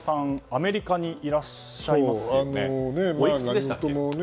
アメリカにいらっしゃいましょね。